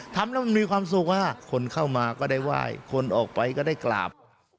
ทำแล้วมันมีความสุขคนเข้ามาก็ได้ไหว้คนออกไปก็ได้กราบ